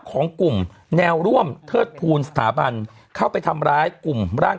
ของกลุ่มแนวร่วมเทิดทูลสถาบันเข้าไปทำร้ายกลุ่มร่าง